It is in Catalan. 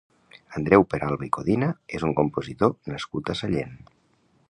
Andreu Peralba i Codina és un compositor nascut a Sallent.